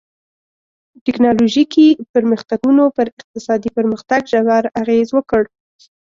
ټکنالوژیکي پرمختګونو پر اقتصادي پرمختګ ژور اغېز وکړ.